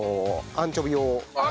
アンチョビ！